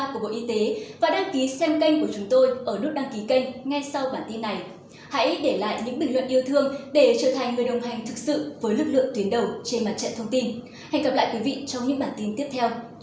chúc quý vị và các bạn bình an trong đại dịch